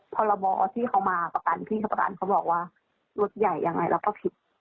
พรบที่เขามาประกันพี่เขาประกันเขาบอกว่ารถใหญ่ยังไงเราก็ผิด